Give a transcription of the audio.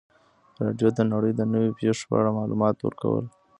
راډیو د نړۍ د نویو پیښو په اړه معلومات ورکول.